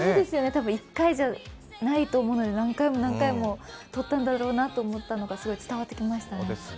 多分１回じゃないと思うので何回も何回も撮ったんだろうと思ったのがすごい伝わってきました。